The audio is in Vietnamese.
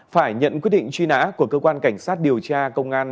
phải nhận quyết định truy nã của cơ quan cảnh sát điều tra công an